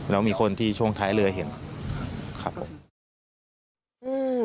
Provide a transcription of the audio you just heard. แล้วมีคนที่ช่วงท้ายเรือเห็นครับผมอืม